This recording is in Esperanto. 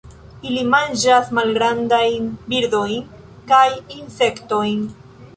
Ili manĝas malgrandajn birdojn kaj insektojn.